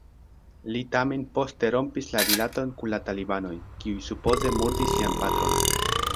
Li tamen poste rompis la rilaton kun la talibanoj, kiuj supoze murdis lian patron.